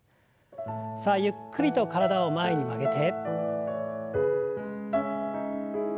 さあゆっくりと体を前に曲げて。